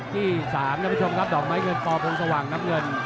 ที่๓ท่านผู้ชมครับดอกไม้เงินปอพงสว่างน้ำเงิน